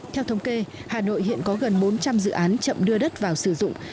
theo thống kê hà nội hiện có gần bốn trăm linh dự án chậm đưa đất vào sử dụng